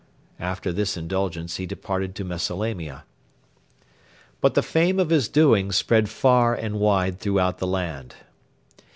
After this indulgence he departed to Mesalamia. But the fame of his doings spread far and wide throughout the land.